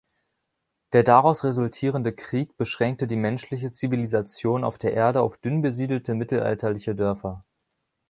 Der daraus resultierende Krieg beschränkte die menschliche Zivilisation auf der Erde auf dünn besiedelte mittelalterliche Dörfer.